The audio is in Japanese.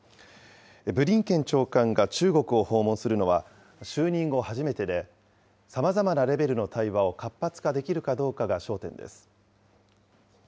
ブリンケン長官が中国を訪問するのは就任後初めてで、さまざまなレベルの対話を活発化できるかどうかが焦点です。